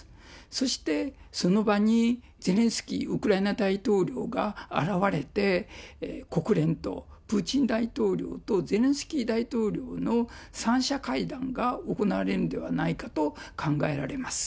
そして、その場にゼレンスキーウクライナ大統領が現れて、国連とプーチン大統領とゼレンスキー大統領の三者会談が行われるのではないかと考えられます。